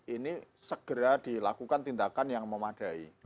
ini segera dilakukan tindakan yang memadai